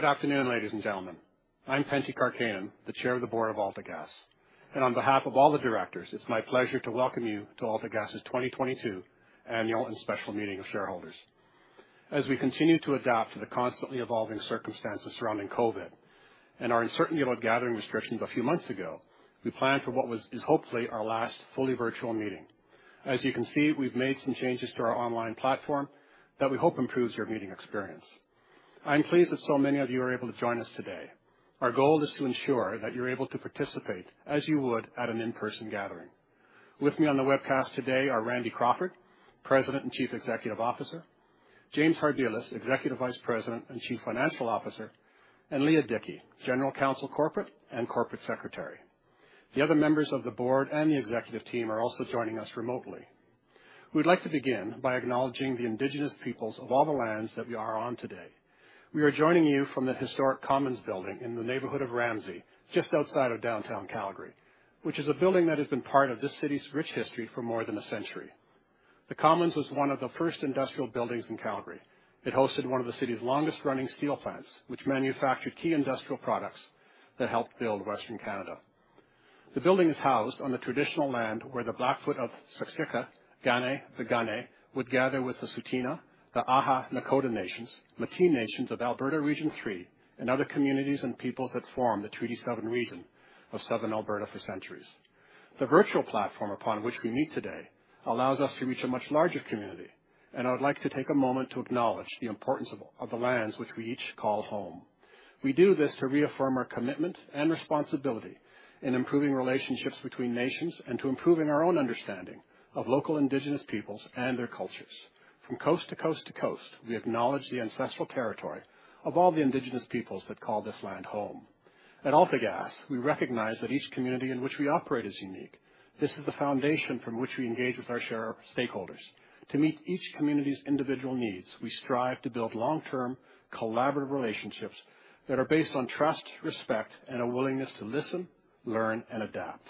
Good afternoon, ladies and gentlemen. I'm Pentti Karkkainen, the Chair of the Board of AltaGas. On behalf of all the directors, it's my pleasure to welcome you to AltaGas's 2022 Annual and Special Meeting of Shareholders. As we continue to adapt to the constantly evolving circumstances surrounding COVID and our uncertainty about gathering restrictions a few months ago, we planned for what is hopefully our last fully virtual meeting. As you can see, we've made some changes to our online platform that we hope improves your meeting experience. I'm pleased that so many of you are able to join us today. Our goal is to ensure that you're able to participate as you would at an in-person gathering. With me on the webcast today are Randy Crawford, President and Chief Executive Officer, James Harbilas, Executive Vice President and Chief Financial Officer, and Leah Dickey, General Counsel Corporate and Corporate Secretary. The other members of the board and the executive team are also joining us remotely. We'd like to begin by acknowledging the Indigenous peoples of all the lands that we are on today. We are joining you from the historic Commons Building in the neighborhood of Ramsay, just outside of downtown Calgary, which is a building that has been part of this city's rich history for more than a century. The Commons was one of the first industrial buildings in Calgary. It hosted one of the city's longest-running steel plants, which manufactured key industrial products that helped build Western Canada. The building is housed on the traditional land where the Blackfoot of Siksika, Kainai, the Piikani would gather with the Tsut'ina, the Îyârhe Nakoda nations, Métis Nation of Alberta Region three, and other communities and peoples that form the Treaty Seven region of Southern Alberta for centuries. The virtual platform upon which we meet today allows us to reach a much larger community, and I would like to take a moment to acknowledge the importance of the lands which we each call home. We do this to reaffirm our commitment and responsibility in improving relationships between nations and to improving our own understanding of local indigenous peoples and their cultures. From coast to coast to coast, we acknowledge the ancestral territory of all the indigenous peoples that call this land home. At AltaGas, we recognize that each community in which we operate is unique. This is the foundation from which we engage with our shareholders. To meet each community's individual needs, we strive to build long-term collaborative relationships that are based on trust, respect, and a willingness to listen, learn, and adapt.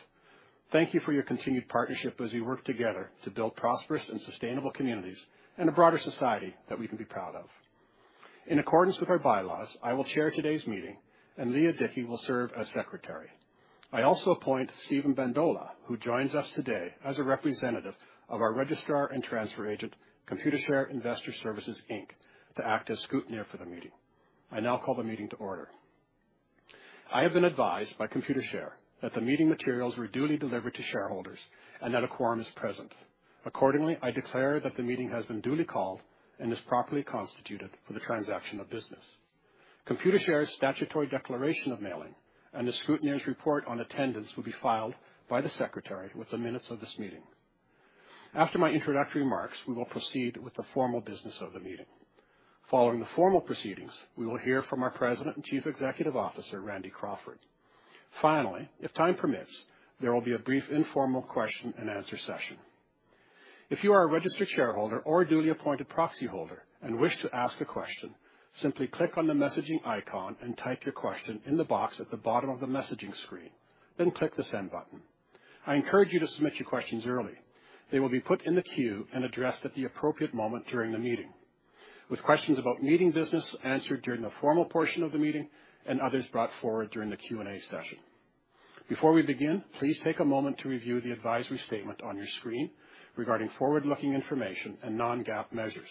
Thank you for your continued partnership as we work together to build prosperous and sustainable communities and a broader society that we can be proud of. In accordance with our bylaws, I will chair today's meeting and Leah Dickey will serve as secretary. I also appoint Steven Bandola, who joins us today as a representative of our registrar and transfer agent, Computershare Investor Services Inc., to act as scrutineer for the meeting. I now call the meeting to order. I have been advised by Computershare that the meeting materials were duly delivered to shareholders and that a quorum is present. Accordingly, I declare that the meeting has been duly called and is properly constituted for the transaction of business. Computershare's statutory declaration of mailing and the scrutineer's report on attendance will be filed by the secretary with the minutes of this meeting. After my introductory remarks, we will proceed with the formal business of the meeting. Following the formal proceedings, we will hear from our President and Chief Executive Officer, Randy Crawford. Finally, if time permits, there will be a brief informal question and answer session. If you are a registered shareholder or a duly appointed proxy holder and wish to ask a question, simply click on the messaging icon and type your question in the box at the bottom of the messaging screen, then click the Send button. I encourage you to submit your questions early. They will be put in the queue and addressed at the appropriate moment during the meeting. With questions about meeting business answered during the formal portion of the meeting and others brought forward during the Q&A session. Before we begin, please take a moment to review the advisory statement on your screen regarding forward-looking information and non-GAAP measures.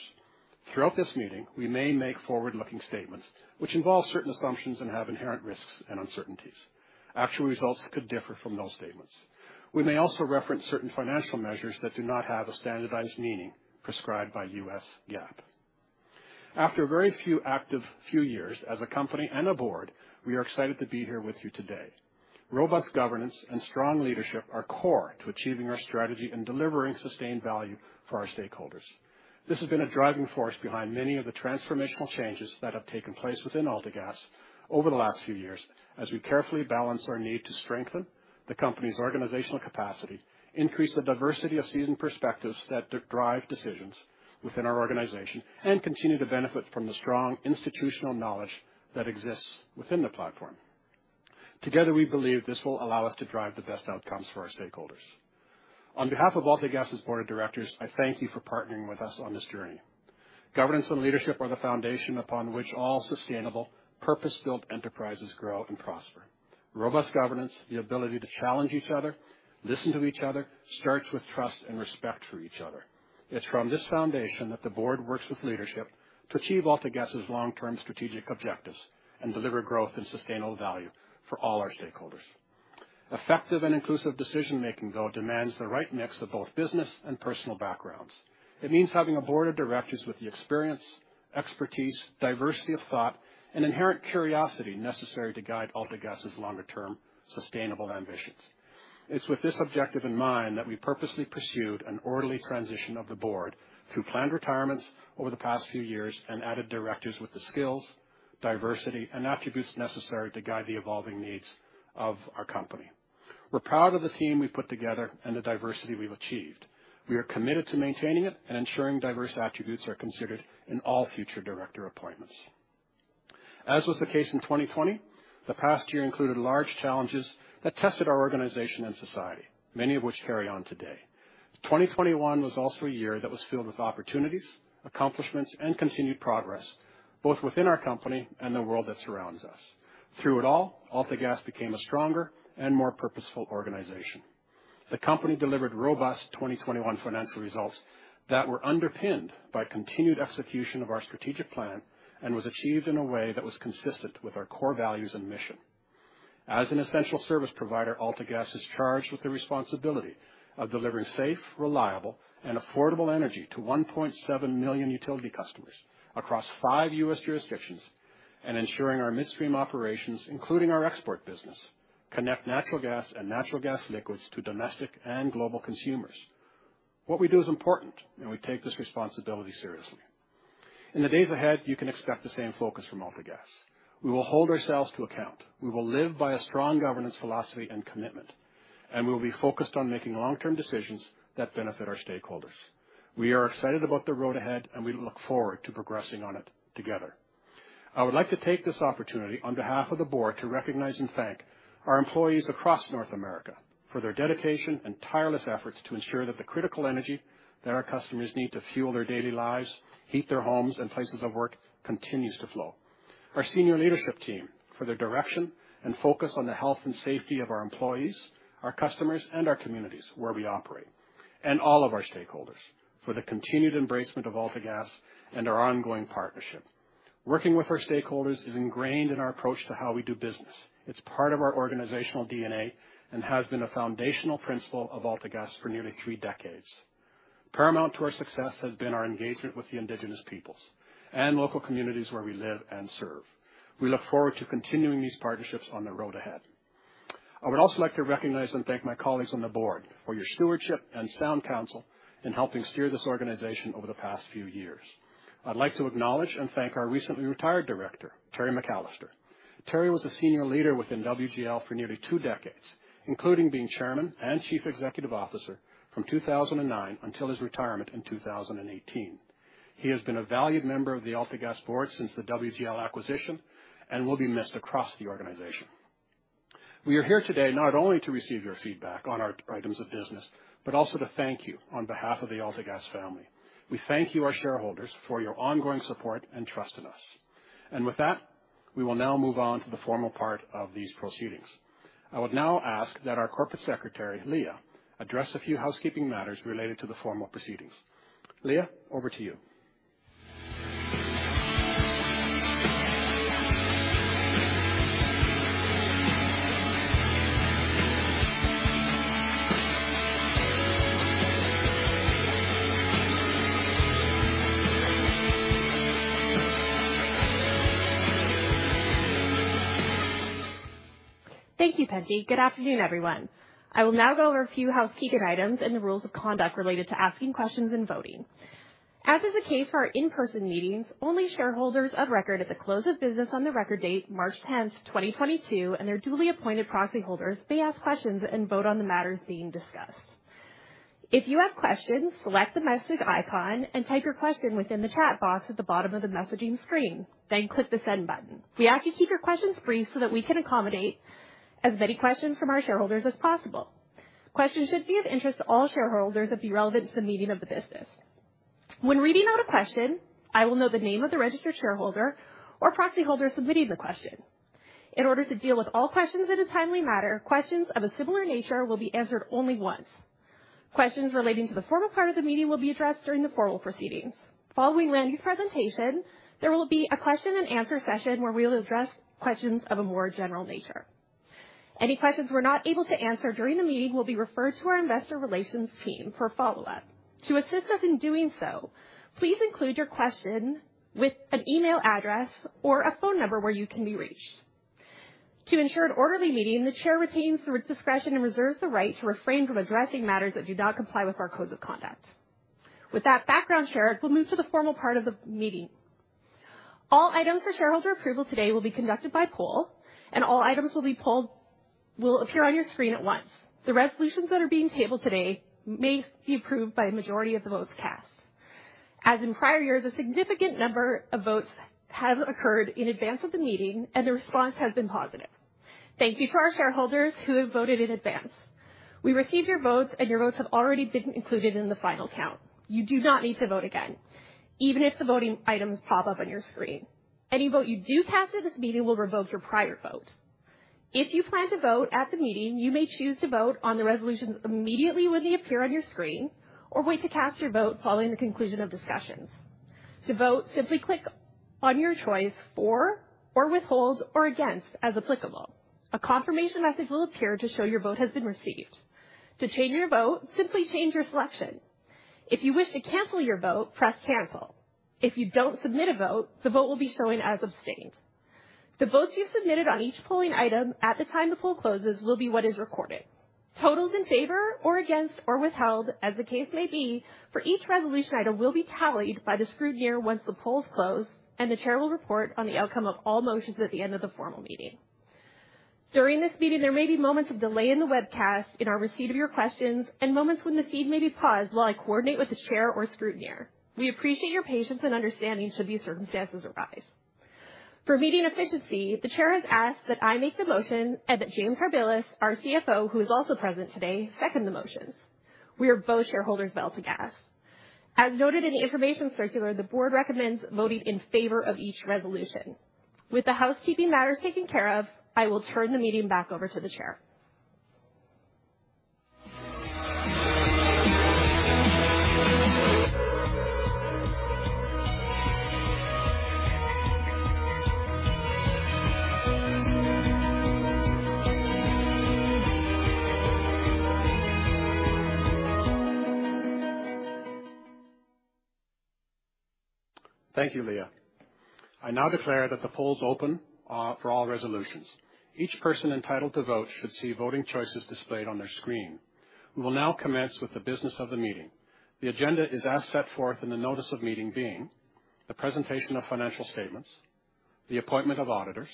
Throughout this meeting, we may make forward-looking statements which involve certain assumptions and have inherent risks and uncertainties. Actual results could differ from those statements. We may also reference certain financial measures that do not have a standardized meaning prescribed by US GAAP. After a very few active years as a company and a board, we are excited to be here with you today. Robust governance and strong leadership are core to achieving our strategy and delivering sustained value for our stakeholders. This has been a driving force behind many of the transformational changes that have taken place within AltaGas over the last few years, as we carefully balance our need to strengthen the company's organizational capacity, increase the diversity of seasoned perspectives that drive decisions within our organization, and continue to benefit from the strong institutional knowledge that exists within the platform. Together, we believe this will allow us to drive the best outcomes for our stakeholders. On behalf of AltaGas's board of directors, I thank you for partnering with us on this journey. Governance and leadership are the foundation upon which all sustainable, purpose-built enterprises grow and prosper. Robust governance, the ability to challenge each other, listen to each other, starts with trust and respect for each other. It's from this foundation that the board works with leadership to achieve AltaGas's long-term strategic objectives and deliver growth and sustainable value for all our stakeholders. Effective and inclusive decision-making, though, demands the right mix of both business and personal backgrounds. It means having a board of directors with the experience, expertise, diversity of thought, and inherent curiosity necessary to guide AltaGas's longer-term sustainable ambitions. It's with this objective in mind that we purposely pursued an orderly transition of the board through planned retirements over the past few years and added directors with the skills, diversity, and attributes necessary to guide the evolving needs of our company. We're proud of the team we've put together and the diversity we've achieved. We are committed to maintaining it and ensuring diverse attributes are considered in all future director appointments. As was the case in 2020, the past year included large challenges that tested our organization and society, many of which carry on today. 2021 was also a year that was filled with opportunities, accomplishments, and continued progress, both within our company and the world that surrounds us. Through it all, AltaGas became a stronger and more purposeful organization. The company delivered robust 2021 financial results that were underpinned by continued execution of our strategic plan, and was achieved in a way that was consistent with our core values and mission. As an essential service provider, AltaGas is charged with the responsibility of delivering safe, reliable, and affordable energy to 1.7 million utility customers across five U.S. jurisdictions, and ensuring our midstream operations, including our export business, connect natural gas and natural gas liquids to domestic and global consumers. What we do is important, and we take this responsibility seriously. In the days ahead, you can expect the same focus from AltaGas. We will hold ourselves to account. We will live by a strong governance, philosophy, and commitment, and we'll be focused on making long-term decisions that benefit our stakeholders. We are excited about the road ahead, and we look forward to progressing on it together. I would like to take this opportunity, on behalf of the board, to recognize and thank our employees across North America for their dedication and tireless efforts to ensure that the critical energy that our customers need to fuel their daily lives, heat their homes and places of work continues to flow. Our senior leadership team for their direction and focus on the health and safety of our employees, our customers, and our communities where we operate, and all of our stakeholders for the continued embracement of AltaGas and our ongoing partnership. Working with our stakeholders is ingrained in our approach to how we do business. It's part of our organizational DNA and has been a foundational principle of AltaGas for nearly three decades. Paramount to our success has been our engagement with the Indigenous peoples and local communities where we live and serve. We look forward to continuing these partnerships on the road ahead. I would also like to recognize and thank my colleagues on the board for your stewardship and sound counsel in helping steer this organization over the past few years. I'd like to acknowledge and thank our recently retired director, Terry McCallister. Terry was a senior leader within WGL for nearly two decades, including being Chairman and Chief Executive Officer from 2009 until his retirement in 2018. He has been a valued member of the AltaGas board since the WGL acquisition and will be missed across the organization. We are here today not only to receive your feedback on our items of business, but also to thank you on behalf of the AltaGas family. We thank you, our shareholders, for your ongoing support and trust in us. With that, we will now move on to the formal part of these proceedings. I would now ask that our Corporate Secretary, Leah, address a few housekeeping matters related to the formal proceedings. Leah, over to you. Thank you, Pentti. Good afternoon, everyone. I will now go over a few housekeeping items and the rules of conduct related to asking questions and voting. As is the case for our in-person meetings, only shareholders of record at the close of business on the record date, March 10, 2022, and their duly appointed proxy holders may ask questions and vote on the matters being discussed. If you have questions, select the message icon and type your question within the chat box at the bottom of the messaging screen, then click the Send button. We ask you to keep your questions brief so that we can accommodate as many questions from our shareholders as possible. Questions should be of interest to all shareholders and be relevant to the business of the meeting. When reading out a question, I will note the name of the registered shareholder or proxy holder submitting the question. In order to deal with all questions in a timely manner, questions of a similar nature will be answered only once. Questions relating to the formal part of the meeting will be addressed during the formal proceedings. Following Randy's presentation, there will be a question and answer session where we will address questions of a more general nature. Any questions we're not able to answer during the meeting will be referred to our investor relations team for follow-up. To assist us in doing so, please include your question with an email address or a phone number where you can be reached. To ensure an orderly meeting, the chair retains the discretion and reserves the right to refrain from addressing matters that do not comply with our codes of conduct. With that background shared, we'll move to the formal part of the meeting. All items for shareholder approval today will be conducted by poll, and all items will appear on your screen at once. The resolutions that are being tabled today may be approved by a majority of the votes cast. As in prior years, a significant number of votes have occurred in advance of the meeting, and the response has been positive. Thank you to our shareholders who have voted in advance. We received your votes, and your votes have already been included in the final count. You do not need to vote again, even if the voting items pop up on your screen. Any vote you do cast at this meeting will revoke your prior vote. If you plan to vote at the meeting, you may choose to vote on the resolutions immediately when they appear on your screen, or wait to cast your vote following the conclusion of discussions. To vote, simply click on your choice for or withhold or against as applicable. A confirmation message will appear to show your vote has been received. To change your vote, simply change your selection. If you wish to cancel your vote, press Cancel. If you don't submit a vote, the vote will be shown as abstained. The votes you submitted on each polling item at the time the poll closes will be what is recorded. Totals in favor or against or withheld as the case may be for each resolution item will be tallied by the scrutineer once the polls close, and the chair will report on the outcome of all motions at the end of the formal meeting. During this meeting, there may be moments of delay in the webcast in our receipt of your questions and moments when the feed may be paused while I coordinate with the chair or scrutineer. We appreciate your patience and understanding should these circumstances arise. For meeting efficiency, the chair has asked that I make the motion and that James Harbilas, our CFO, who is also present today, second the motions. We are both shareholders of AltaGas. As noted in the information circular, the board recommends voting in favor of each resolution. With the housekeeping matters taken care of, I will turn the meeting back over to the chair. Thank you, Leah. I now declare that the polls open for all resolutions. Each person entitled to vote should see voting choices displayed on their screen. We will now commence with the business of the meeting. The agenda is as set forth in the notice of meeting, being the presentation of financial statements, the appointment of auditors,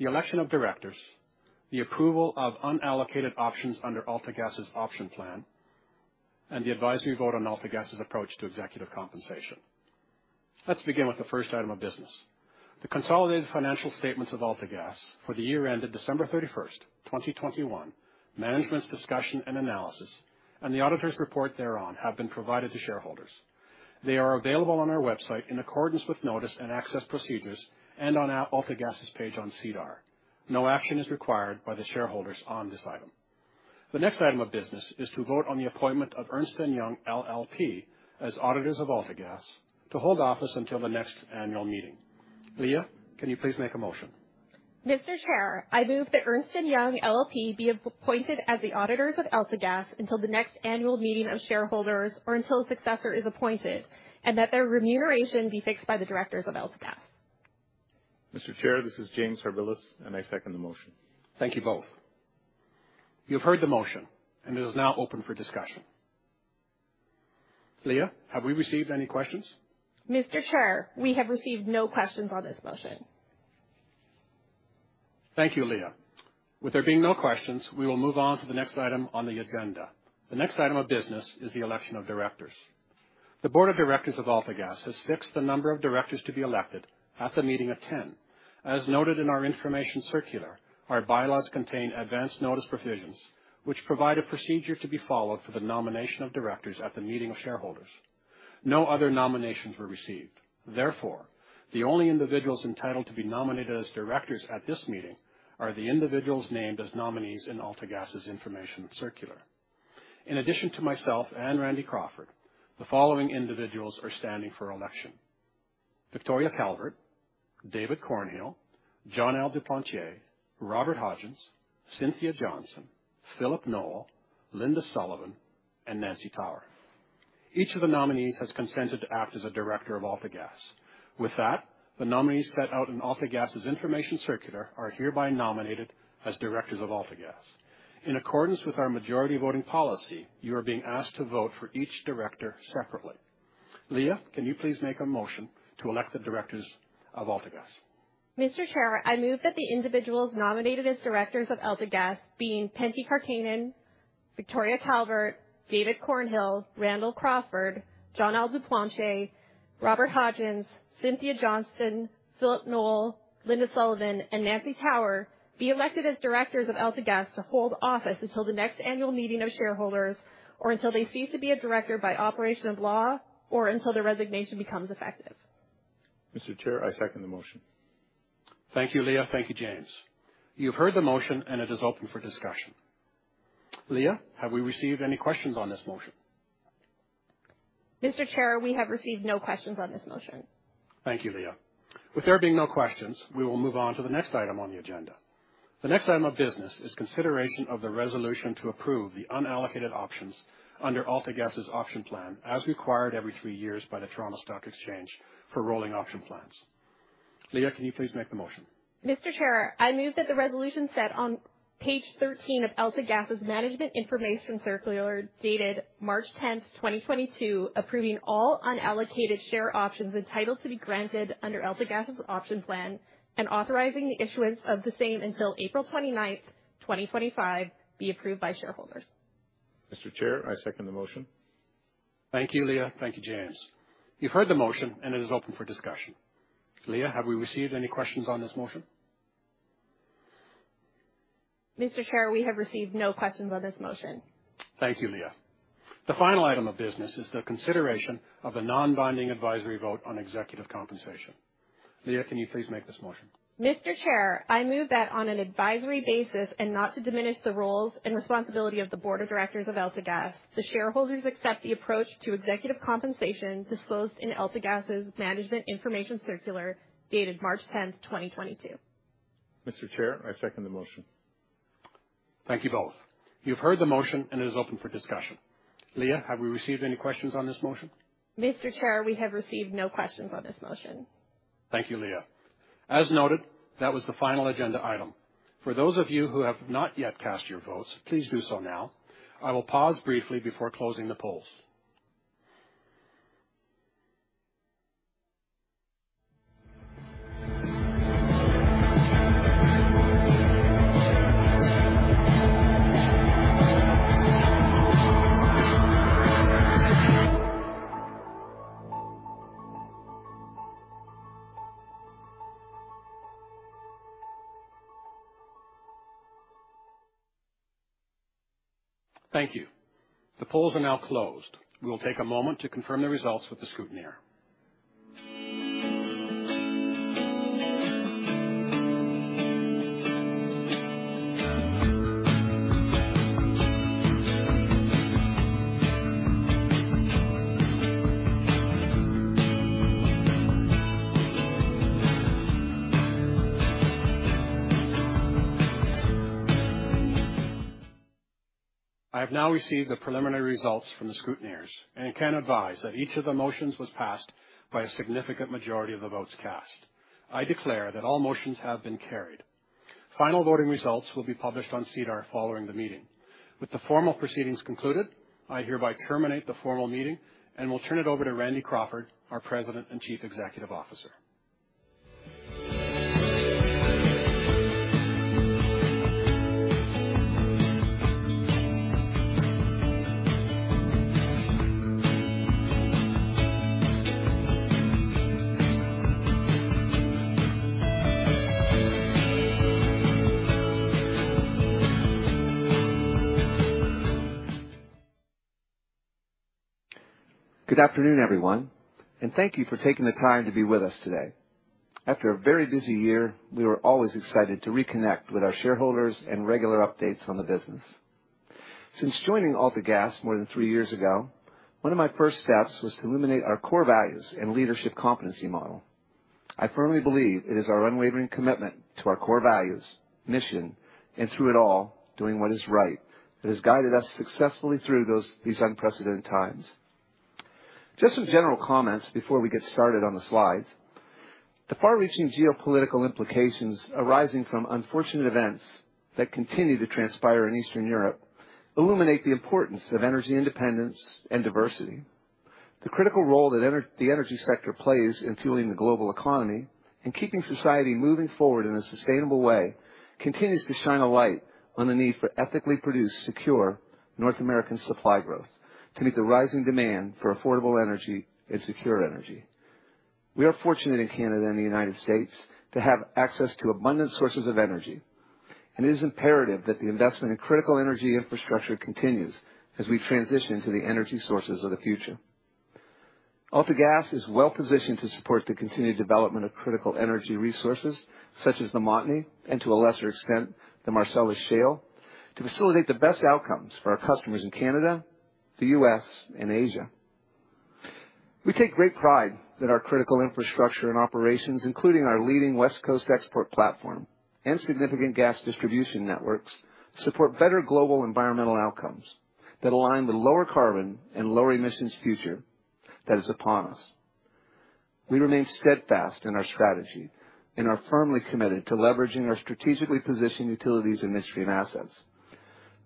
the election of directors, the approval of unallocated options under AltaGas' option plan, and the advisory vote on AltaGas' approach to executive compensation. Let's begin with the first item of business. The consolidated financial statements of AltaGas for the year ended December 31, 2021, management's discussion and analysis, and the auditor's report thereon have been provided to shareholders. They are available on our website in accordance with notice and access procedures and on AltaGas' page on SEDAR. No action is required by the shareholders on this item. The next item of business is to vote on the appointment of Ernst & Young LLP as auditors of AltaGas to hold office until the next annual meeting. Leah, can you please make a motion? Mr. Chair, I move that Ernst & Young LLP be appointed as the auditors of AltaGas until the next annual meeting of shareholders or until a successor is appointed, and that their remuneration be fixed by the directors of AltaGas. Mr. Chair, this is James Harbilas, and I second the motion. Thank you both. You have heard the motion, and it is now open for discussion. Leah, have we received any questions? Mr. Chair, we have received no questions on this motion. Thank you, Leah. With there being no questions, we will move on to the next item on the agenda. The next item of business is the election of directors. The board of directors of AltaGas has fixed the number of directors to be elected at the meeting of ten. As noted in our information circular, our bylaws contain advance notice provisions, which provide a procedure to be followed for the nomination of directors at the meeting of shareholders. No other nominations were received. Therefore, the only individuals entitled to be nominated as directors at this meeting are the individuals named as nominees in AltaGas' information circular. In addition to myself and Randy Crawford, the following individuals are standing for election: Victoria Calvert, David Cornhill, Jon-Al Duplantier, Robert Hodgins, Cynthia Johnston, Phillip Knoll, Linda Sullivan, and Nancy Tower. Each of the nominees has consented to act as a director of AltaGas. With that, the nominees set out in AltaGas' information circular are hereby nominated as directors of AltaGas. In accordance with our majority voting policy, you are being asked to vote for each director separately. Leah, can you please make a motion to elect the directors of AltaGas? Mr. Chair, I move that the individuals nominated as directors of AltaGas being Pentti Karkkainen, Victoria Calvert, David Cornhill, Randall Crawford, Jon-Al Duplantier, Robert Hodgins, Cynthia Johnston, Phillip Knoll, Linda Sullivan, and Nancy Tower be elected as directors of AltaGas to hold office until the next annual meeting of shareholders or until they cease to be a director by operation of law or until their resignation becomes effective. Mr. Chair, I second the motion. Thank you, Leah. Thank you, James. You've heard the motion, and it is open for discussion. Leah, have we received any questions on this motion? Mr. Chair, we have received no questions on this motion. Thank you, Leah. With there being no questions, we will move on to the next item on the agenda. The next item of business is consideration of the resolution to approve the unallocated options under AltaGas' option plan as required every three years by the Toronto Stock Exchange for rolling option plans. Leah, can you please make the motion? Mr. Chair, I move that the resolution set on page 13 of AltaGas' Management Information Circular, dated March 10, 2022, approving all unallocated share options entitled to be granted under AltaGas' option plan and authorizing the issuance of the same until April 29, 2025, be approved by shareholders. Mr. Chair, I second the motion. Thank you, Leah. Thank you, James. You've heard the motion, and it is open for discussion. Leah, have we received any questions on this motion? Mr. Chair, we have received no questions on this motion. Thank you, Leah. The final item of business is the consideration of the non-binding advisory vote on executive compensation. Leah, can you please make this motion? Mr. Chair, I move that on an advisory basis and not to diminish the roles and responsibility of the board of directors of AltaGas, the shareholders accept the approach to executive compensation disclosed in AltaGas' Management Information Circular, dated March 10, 2022. Mr. Chair, I second the motion. Thank you both. You've heard the motion, and it is open for discussion. Leah, have we received any questions on this motion? Mr. Chair, we have received no questions on this motion. Thank you, Leah. As noted, that was the final agenda item. For those of you who have not yet cast your votes, please do so now. I will pause briefly before closing the polls. Thank you. The polls are now closed. We will take a moment to confirm the results with the scrutineer. I have now received the preliminary results from the scrutineers and can advise that each of the motions was passed by a significant majority of the votes cast. I declare that all motions have been carried. Final voting results will be published on SEDAR following the meeting. With the formal proceedings concluded, I hereby terminate the formal meeting and will turn it over to Randy Crawford, our President and Chief Executive Officer. Good afternoon, everyone, and thank you for taking the time to be with us today. After a very busy year, we were always excited to reconnect with our shareholders and regular updates on the business. Since joining AltaGas more than three years ago, one of my first steps was to illuminate our core values and leadership competency model. I firmly believe it is our unwavering commitment to our core values, mission, and through it all, doing what is right that has guided us successfully through these unprecedented times. Just some general comments before we get started on the slides. The far-reaching geopolitical implications arising from unfortunate events that continue to transpire in Eastern Europe illuminate the importance of energy independence and diversity. The critical role that the energy sector plays in fueling the global economy and keeping society moving forward in a sustainable way continues to shine a light on the need for ethically produced, secure North American supply growth to meet the rising demand for affordable energy and secure energy. We are fortunate in Canada and the United States to have access to abundant sources of energy, and it is imperative that the investment in critical energy infrastructure continues as we transition to the energy sources of the future. AltaGas is well-positioned to support the continued development of critical energy resources such as the Montney and, to a lesser extent, the Marcellus Shale, to facilitate the best outcomes for our customers in Canada, the U.S. and Asia. We take great pride that our critical infrastructure and operations, including our leading West Coast export platform and significant gas distribution networks, support better global environmental outcomes that align with lower carbon and lower emissions future that is upon us. We remain steadfast in our strategy and are firmly committed to leveraging our strategically positioned utilities and midstream assets,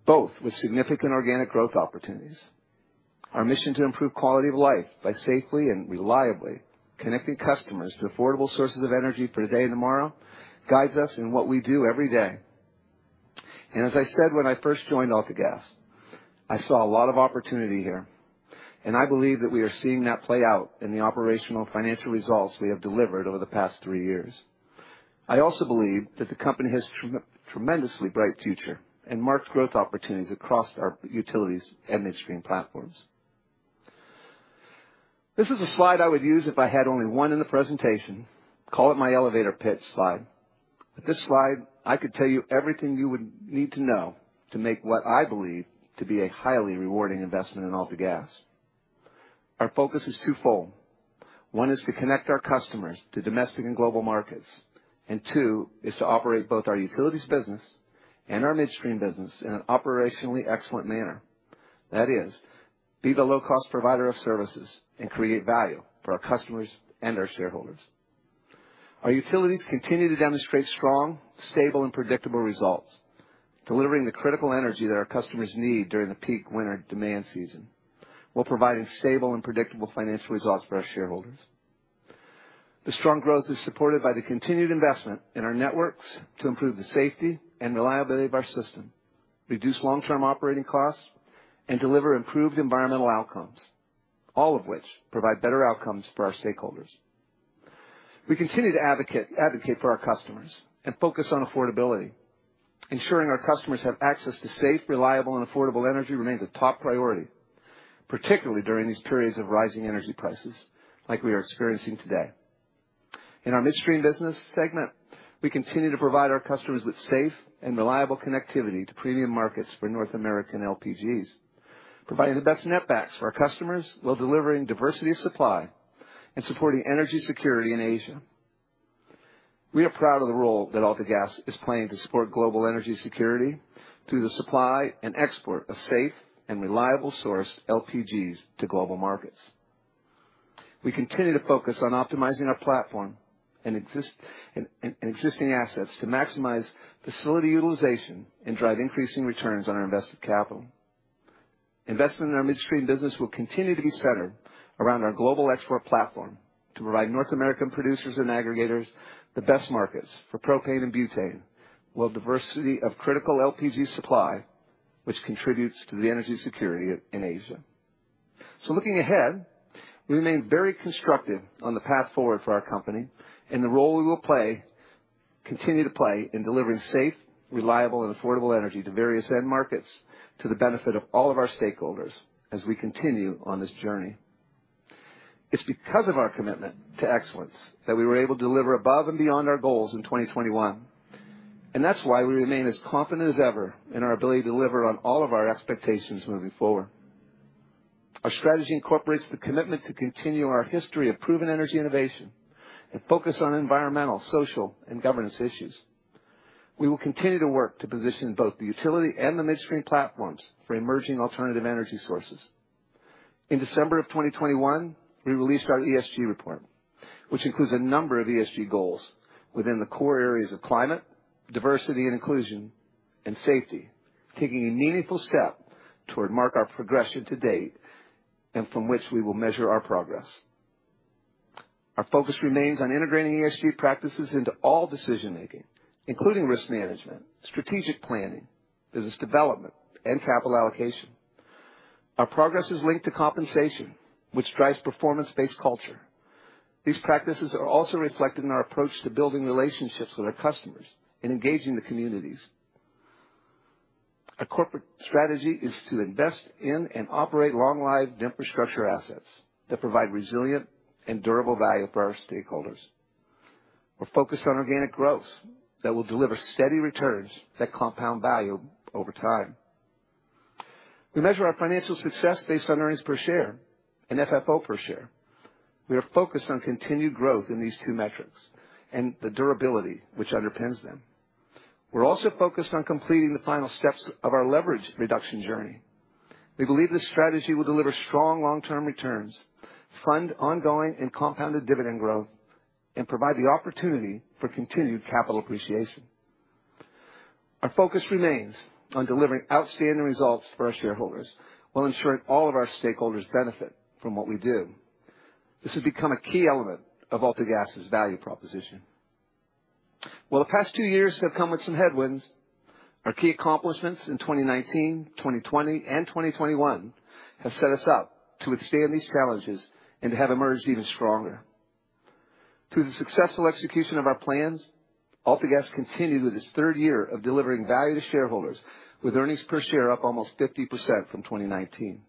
both with significant organic growth opportunities. Our mission to improve quality of life by safely and reliably connecting customers to affordable sources of energy for today and tomorrow guides us in what we do every day. As I said when I first joined AltaGas, I saw a lot of opportunity here, and I believe that we are seeing that play out in the operational financial results we have delivered over the past three years. I also believe that the company has tremendously bright future and marked growth opportunities across our utilities and midstream platforms. This is a slide I would use if I had only one in the presentation. Call it my elevator pitch slide. With this slide, I could tell you everything you would need to know to make what I believe to be a highly rewarding investment in AltaGas. Our focus is twofold. One is to connect our customers to domestic and global markets, and two is to operate both our utilities business and our midstream business in an operationally excellent manner. That is, be the low-cost provider of services and create value for our customers and our shareholders. Our utilities continue to demonstrate strong, stable and predictable results, delivering the critical energy that our customers need during the peak winter demand season, while providing stable and predictable financial results for our shareholders. The strong growth is supported by the continued investment in our networks to improve the safety and reliability of our system, reduce long-term operating costs, and deliver improved environmental outcomes, all of which provide better outcomes for our stakeholders. We continue to advocate for our customers and focus on affordability. Ensuring our customers have access to safe, reliable and affordable energy remains a top priority, particularly during these periods of rising energy prices like we are experiencing today. In our midstream business segment, we continue to provide our customers with safe and reliable connectivity to premium markets for North American LPGs, providing the best netbacks for our customers while delivering diversity of supply and supporting energy security in Asia. We are proud of the role that AltaGas is playing to support global energy security through the supply and export of safe and reliable source LPGs to global markets. We continue to focus on optimizing our platform and existing assets to maximize facility utilization and drive increasing returns on our invested capital. Investment in our midstream business will continue to be centered around our global export platform to provide North American producers and aggregators the best markets for propane and butane, while diversity of critical LPG supply, which contributes to the energy security in Asia. Looking ahead, we remain very constructive on the path forward for our company and the role we will continue to play in delivering safe, reliable, and affordable energy to various end markets to the benefit of all of our stakeholders as we continue on this journey. It's because of our commitment to excellence that we were able to deliver above and beyond our goals in 2021, and that's why we remain as confident as ever in our ability to deliver on all of our expectations moving forward. Our strategy incorporates the commitment to continue our history of proven energy innovation and focus on environmental, social, and governance issues. We will continue to work to position both the utility and the midstream platforms for emerging alternative energy sources. In December 2021, we released our ESG report, which includes a number of ESG goals within the core areas of climate, diversity and inclusion, and safety, taking a meaningful step toward marking our progression to date and from which we will measure our progress. Our focus remains on integrating ESG practices into all decision-making, including risk management, strategic planning, business development, and capital allocation. Our progress is linked to compensation, which drives performance-based culture. These practices are also reflected in our approach to building relationships with our customers and engaging the communities. Our corporate strategy is to invest in and operate long-lived infrastructure assets that provide resilient and durable value for our stakeholders. We're focused on organic growth that will deliver steady returns that compound value over time. We measure our financial success based on earnings per share and FFO per share. We are focused on continued growth in these two metrics and the durability which underpins them. We're also focused on completing the final steps of our leverage reduction journey. We believe this strategy will deliver strong long-term returns, fund ongoing and compounded dividend growth, and provide the opportunity for continued capital appreciation. Our focus remains on delivering outstanding results for our shareholders while ensuring all of our stakeholders benefit from what we do. This has become a key element of AltaGas's value proposition. While the past two years have come with some headwinds, our key accomplishments in 2019, 2020, and 2021 have set us up to withstand these challenges and have emerged even stronger. Through the successful execution of our plans, AltaGas continued with its third year of delivering value to shareholders, with earnings per share up almost 50% from 2019.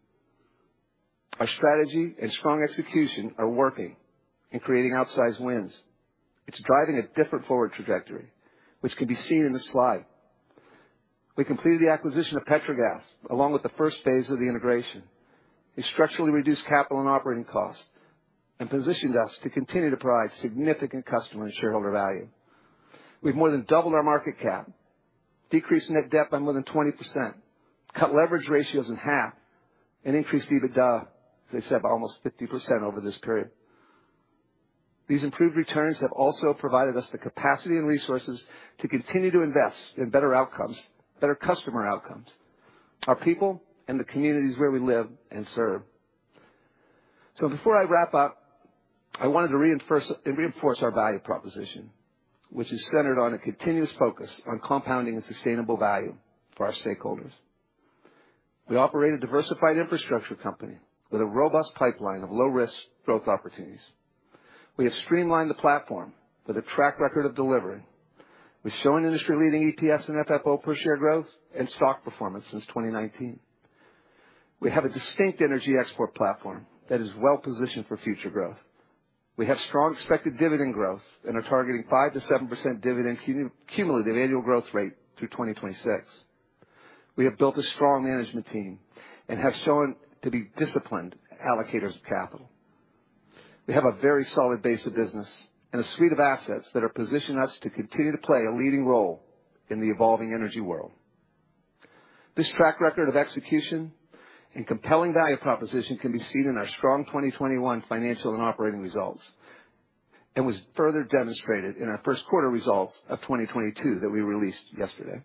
Our strategy and strong execution are working in creating outsized wins. It's driving a different forward trajectory, which can be seen in this slide. We completed the acquisition of Petrogas, along with the first phase of the integration. We structurally reduced capital and operating costs and positioned us to continue to provide significant customer and shareholder value. We've more than doubled our market cap, decreased net debt by more than 20%, cut leverage ratios in half, and increased EBITDA, as I said, by almost 50% over this period. These improved returns have also provided us the capacity and resources to continue to invest in better outcomes, better customer outcomes, our people, and the communities where we live and serve. Before I wrap up, I wanted to reinforce our value proposition, which is centered on a continuous focus on compounding and sustainable value for our stakeholders. We operate a diversified infrastructure company with a robust pipeline of low-risk growth opportunities. We have streamlined the platform with a track record of delivery. We've shown industry-leading EPS and FFO per share growth and stock performance since 2019. We have a distinct energy export platform that is well-positioned for future growth. We have strong expected dividend growth and are targeting 5%-7% dividend cumulative annual growth rate through 2026. We have built a strong management team and have shown to be disciplined allocators of capital. We have a very solid base of business and a suite of assets that are positioning us to continue to play a leading role in the evolving energy world. This track record of execution and compelling value proposition can be seen in our strong 2021 financial and operating results, and was further demonstrated in our first quarter results of 2022 that we released yesterday.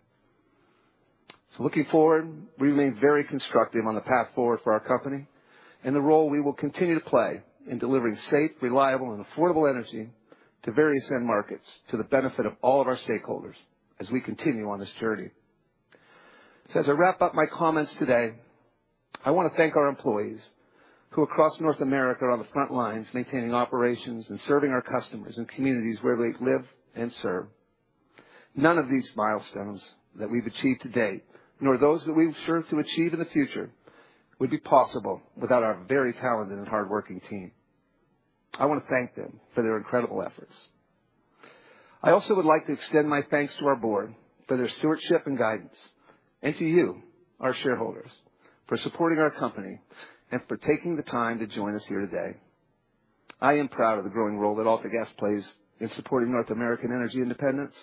Looking forward, we remain very constructive on the path forward for our company and the role we will continue to play in delivering safe, reliable, and affordable energy to various end markets to the benefit of all of our stakeholders as we continue on this journey. As I wrap up my comments today, I wanna thank our employees who across North America are on the front lines, maintaining operations and serving our customers and communities where they live and serve. None of these milestones that we've achieved to date, nor those that we've served to achieve in the future, would be possible without our very talented and hardworking team. I wanna thank them for their incredible efforts. I also would like to extend my thanks to our board for their stewardship and guidance, and to you, our shareholders, for supporting our company and for taking the time to join us here today. I am proud of the growing role that AltaGas plays in supporting North American energy independence,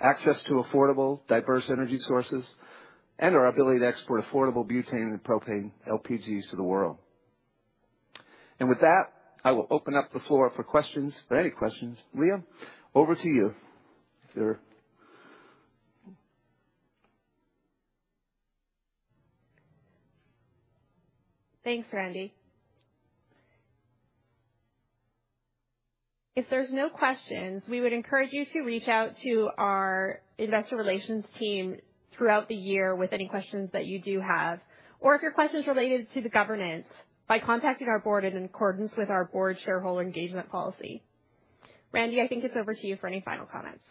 access to affordable, diverse energy sources, and our ability to export affordable butane and propane LPGs to the world. With that, I will open up the floor for questions, for any questions. Leah, over to you. Thanks, Randy. If there's no questions, we would encourage you to reach out to our investor relations team throughout the year with any questions that you do have or if your question's related to the governance by contacting our board in accordance with our board shareholder engagement policy. Randy, I think it's over to you for any final comments.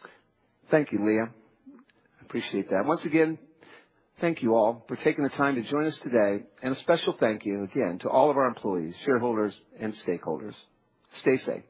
Thank you, Leah. I appreciate that. Once again, thank you all for taking the time to join us today, and a special thank you again to all of our employees, shareholders, and stakeholders. Stay safe.